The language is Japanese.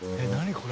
これ。